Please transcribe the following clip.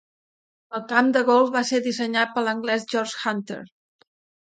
El camp de golf va ser dissenyat per l'anglès George Hunter.